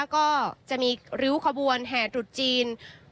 ก็จะมีริ้วขบวนแห่ตรุษจีน